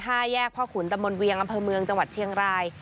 แยกพ่อขุนตะมนตเวียงอำเภอเมืองจังหวัดเชียงราย